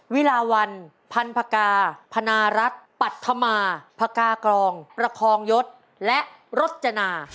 วิลาวันพันธกาพนารัฐปัธมาพกากรองประคองยศและรสจนา